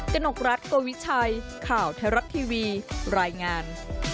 กนกรัฐโกวิชัยข่าวไทยรัฐทีวีรายงาน